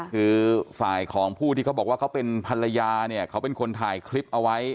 คือฝ่ายของผู้ที่เขาบอกว่าเขาเป็นภรรยาเนี่ยเขาเป็นคนถ่ายคลิปเอาไว้